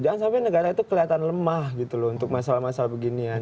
jangan sampai negara itu kelihatan lemah gitu loh untuk masalah masalah beginian